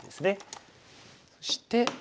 そして。